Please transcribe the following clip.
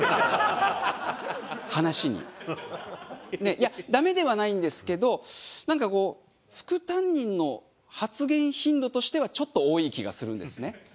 いやダメではないんですけどなんかこう副担任の発言頻度としてはちょっと多い気がするんですね。